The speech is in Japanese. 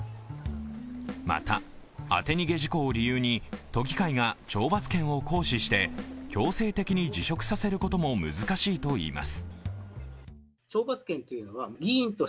また、当て逃げ事故を理由に都議会が懲罰権を行使して強制的に辞職させることも難しいといいます。